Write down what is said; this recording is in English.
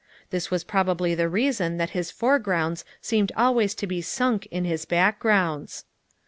This was probably the reason that his foregrounds seemed always to be sunk in his backgrounds.